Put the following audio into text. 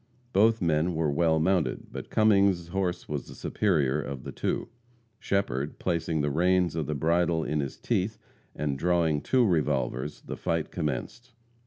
Both men were well mounted, but Cummings' horse was the superior one of the two. Shepherd, placing the reins of the bridle in his teeth, and drawing two revolvers, the fight commenced.